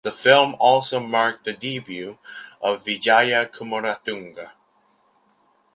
The film also marked the debut of Vijaya Kumaratunga.